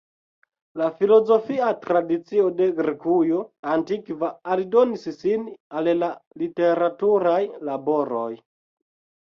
La filozofia tradicio de Grekujo antikva aldonis sin al la literaturaj laboroj.